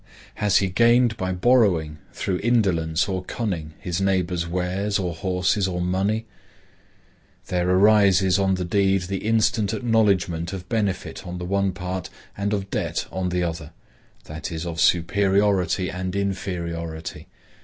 Has he gained by borrowing, through indolence or cunning, his neighbor's wares, or horses, or money? There arises on the deed the instant acknowledgment of benefit on the one part and of debt on the other; that is, of superiority and inferiority.